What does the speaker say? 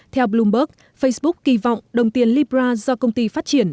theo bloomberg facebook kỳ vọng đồng tiền libra do công ty phát triển